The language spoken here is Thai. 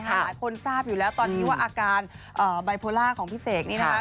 หลายคนทราบอยู่แล้วตอนนี้ว่าอาการไบโพล่าของพี่เสกนี้นะคะ